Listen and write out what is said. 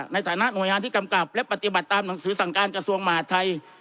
ในฐานะหน่วยงานที่กำกับและปฏิบัติตามหนังสือสั่งการกระทรวงมหาดไทย